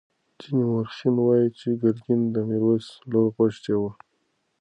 ځینې مورخین وایي چې ګرګین د میرویس لور غوښتې وه.